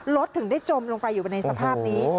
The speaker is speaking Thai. ถึงได้จมลงไปอยู่ในสภาพนี้